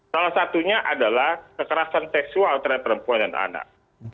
salah satunya adalah kekerasan seksual terhadap perempuan dan anak